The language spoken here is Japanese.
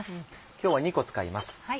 今日は２個使います。